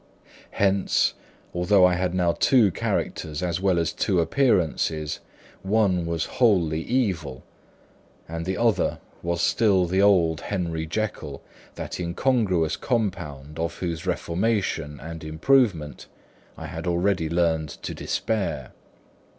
Hence, although I had now two characters as well as two appearances, one was wholly evil, and the other was still the old Henry Jekyll, that incongruous compound of whose reformation and improvement I had already learned to despair.